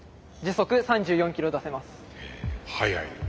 速い。